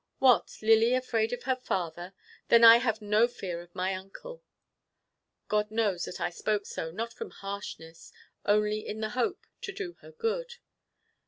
What, Lily afraid of her father! Then I have no fear of my Uncle." God knows that I spoke so, not from harshness, only in the hope to do her good.